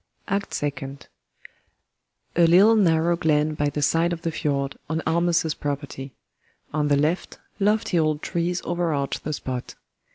] ACT SECOND [A little narrow glen by the side of the fiord, on ALLMERS'S property. On the left, lofty old trees overarch the spot.